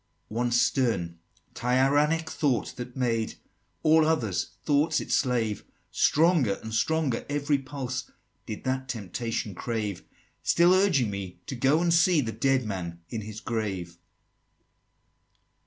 XXVII. "One stern tyrannic thought, that made All other thoughts its slave; Stronger and stronger every pulse Did that temptation crave, Still urging me to go and see The Dead Man in his grave!"